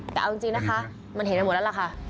แต่เอาจริงนะคะมันเห็นไปหมดแล้วล่ะค่ะ